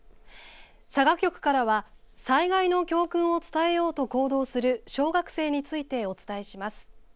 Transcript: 佐賀局からは災害の教訓を伝えようと行動する小学生についてお伝えします。